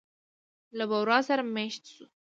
له بورا سره مېشت شوو.